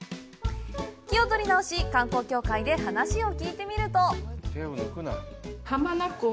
気を取り直し、観光協会で話を聞いてみると。